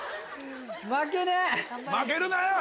負けるな！